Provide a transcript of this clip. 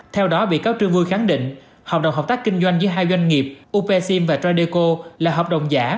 theo đó bị cáo trương vui khẳng định hợp đồng hợp tác kinh doanh giữa hai doanh nghiệp upsim và tradeco là hợp đồng giả